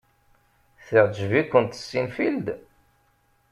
Teɛjeb-ikent Seinfeld?